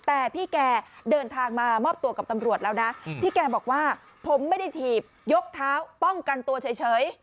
แต่พี่แกเดินทางมามอบตัวกับตำรวจแล้วนะพี่แกบอกว่าผมไม่ได้ถีบยกเท้าป้องกันตัวเฉย